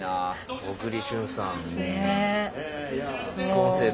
小栗さん。